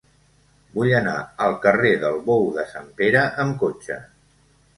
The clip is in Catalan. Vull anar al carrer del Bou de Sant Pere amb cotxe.